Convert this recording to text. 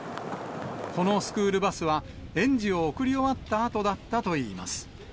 このスクールバスは、園児を送り終わったあとだったといいます。